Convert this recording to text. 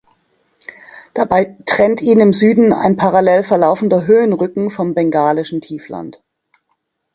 Dabei trennt ihn im Süden ein parallel verlaufender Höhenrücken vom bengalischen Tiefland.